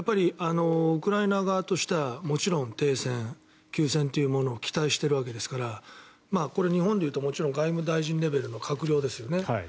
ウクライナ側としてはもちろん停戦、休戦というものを期待しているわけですからこれ、日本でいうともちろん外務大臣レベルの閣僚ですよね。